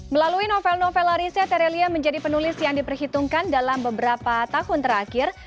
melalui novel novel larisnya tere lie menjadi penulis yang diperhitungkan dalam beberapa tahun terakhir